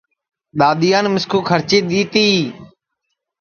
دؔادؔیان مِسکُوکھرچی دؔی تی